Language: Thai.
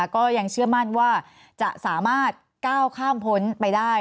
ก็ยังเชื่อมั่นว่าจะสามารถก้าวข้ามพ้นไปได้